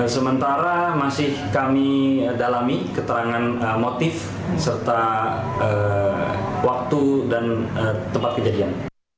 sementara masih kami dalami keterangan motif serta waktu dan tempat kejadian